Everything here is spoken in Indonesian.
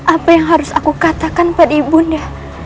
apa yang harus aku katakan pada ibunya